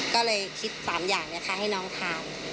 ก็เลยคิด๓อย่างให้น้องทาน